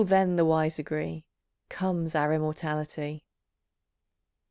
then, the wise agree, Comes our immortality.